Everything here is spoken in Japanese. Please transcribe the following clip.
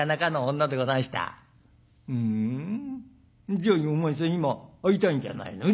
じゃあお前さん今会いたいんじゃないの？」。